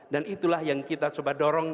dan itulah yang kita coba dorong